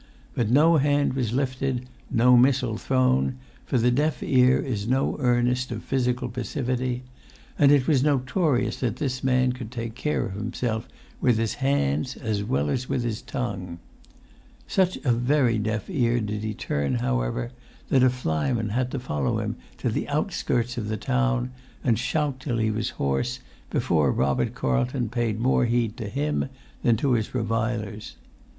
But no hand was lifted, no missile thrown, for the deaf ear is no earnest of physical passivity, and it was notorious that this man could take care of himself with his hands as well as with his tongue. Such a very deaf ear did he turn, however, that a flyman had to follow him to the outskirts of the town, and shout till he was hoarse, before Robert Carlton paid more heed to him than to his revilers.